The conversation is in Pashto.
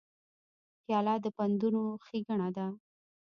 پیاله د پندونو ښیګڼه ده.